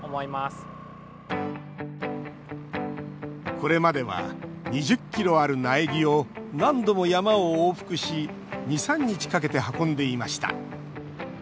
これまでは２０ｋｇある苗木を何度も山を往復し２３日かけて運んでいました。